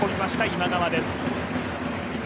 今川です。